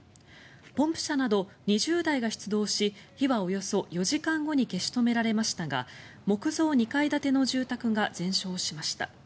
ポンプ車など２０台が出動し火はおよそ４時間後に消し止められましたが木造２階建ての住宅が全焼しました。